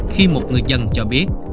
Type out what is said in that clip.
khi một người dân cho biết